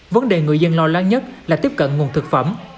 vấn đề người dân lo lắng nhất là tiếp cận nguồn thực phẩm